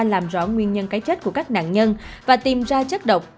làm rõ nguyên nhân cái chết của các nạn nhân và tìm ra chất độc